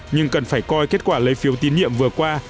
nhưng cần phải coi kết quả lấy phiếu tín nhiệm vừa qua